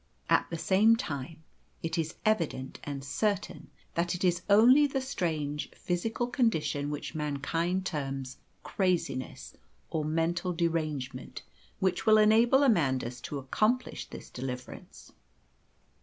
At the same time, it is evident and certain that it is only the strange psychical condition which mankind terms craziness, or mental derangement, which will enable Amandus to accomplish this deliverance.